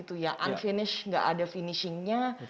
unfinished nggak ada finishingnya